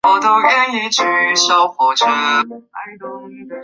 属名是以发现化石的迪布勒伊家庭为名。